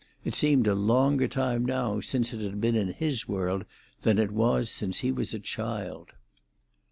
It seemed a longer time now since it had been in his world than it was since he was a child.